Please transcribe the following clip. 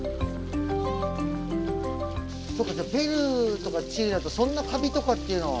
そうかペルーとかチリだとそんなカビとかっていうのは。